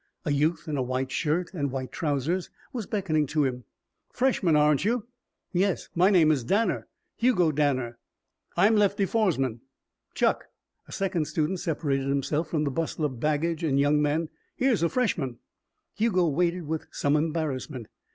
A youth in a white shirt and white trousers was beckoning to him. "Freshman, aren't you?" "Yes. My name's Danner. Hugo Danner." "I'm Lefty Foresman. Chuck!" A second student separated himself from the bustle of baggage and young men. "Here's a freshman." Hugo waited with some embarrassment.